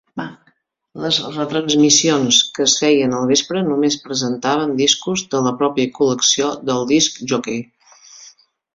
Les retransmissions que es feien al vespre només presentaven discos de la pròpia col·lecció del disc jockey.